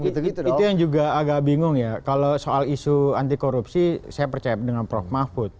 itu yang juga agak bingung ya kalau soal isu anti korupsi saya percaya dengan prof mahfud